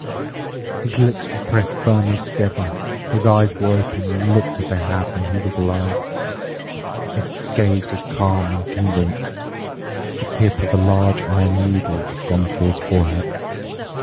His lips were pressed firmly together, his eyes were open and looked as they had when he was alive, his gaze was calm and convinced. The tip of a large iron needle had gone through his forehead.